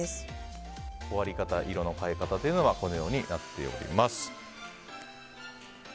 終わり方、色の変わり方はこのようになっています。